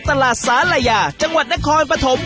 ตลาดสาลายาจังหวัดนครปฐม